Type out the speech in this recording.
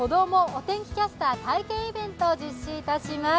お天気キャスター体験イベントを実施いたします。